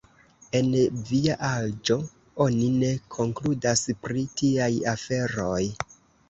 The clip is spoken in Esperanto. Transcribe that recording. En via aĝo oni ne konkludas pri tiaj aferoj.